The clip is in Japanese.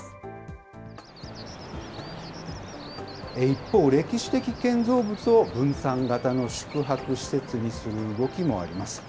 一方、歴史的建造物を分散型の宿泊施設にする動きもあります。